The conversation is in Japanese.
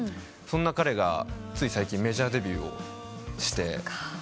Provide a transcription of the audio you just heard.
そんな彼がつい最近メジャーデビューをして。